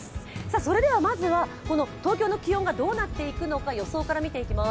まずは東京の気温がどうなっていくのか予想から見ていきます。